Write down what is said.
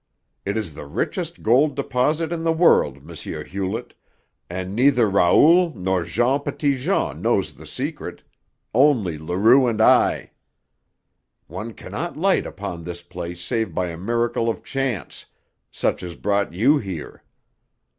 It is the richest gold deposit in the world, M. Hewlett, and neither Raoul nor Jean Petitjean knows the secret only Leroux and I. One cannot light upon this place save by a miracle of chance, such as brought you here.